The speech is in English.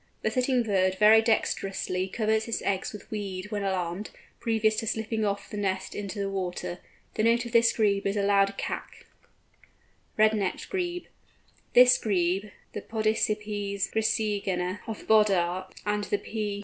The sitting bird very dexterously covers its eggs with weed when alarmed, previous to slipping off the nest into the water. The note of this Grebe is a loud kak. RED NECKED GREBE. This Grebe, the Podicipes griseigena of Boddaert, and the _P.